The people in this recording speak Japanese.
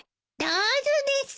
どうぞです。